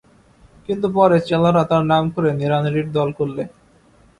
কিন্তু পরে চেলারা তাঁর নাম করে নেড়া-নেড়ীর দল করলে।